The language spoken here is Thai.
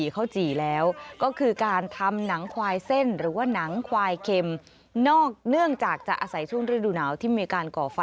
ไปแล้วนะคะเดี๋ยวไปดูภาพกันก่อนค่ะ